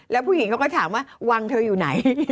แล้วผู้หญิงเขาก็ถามว่าวังเธออยู่ไหน